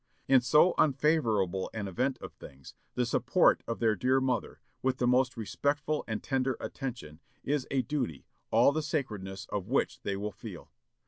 In so unfavorable an event of things, the support of their dear mother, with the most respectful and tender attention, is a duty, all the sacredness of which they will feel.